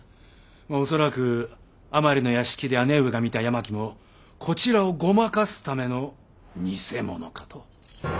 まあ恐らく甘利の屋敷で姉上が見た八巻もこちらをごまかすための偽者かと。